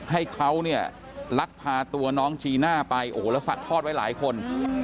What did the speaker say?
ให้เขาลักพาตัวน้องจีน่าไปแล้วสัดทอดไว้หลายคน